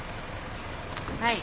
はい。